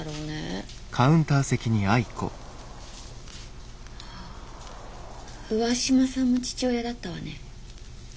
上嶋さんも父親だったわね。